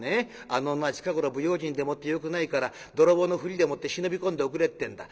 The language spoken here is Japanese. あの女は近頃不用心でもってよくないから泥棒のふりでもって忍び込んでおくれってんだ。